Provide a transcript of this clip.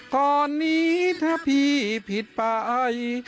ก่อนนี้ถ้าพี่ผิดไป